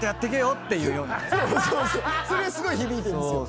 それすごい響いてるんですよ。